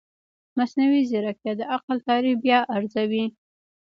مصنوعي ځیرکتیا د عقل تعریف بیا ارزوي.